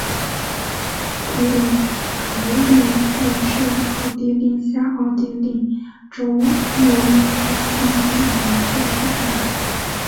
普里格利茨是奥地利下奥地利州诺因基兴县的一个市镇。